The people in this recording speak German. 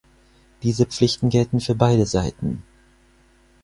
Diese Pflichten gelten für beide Seiten.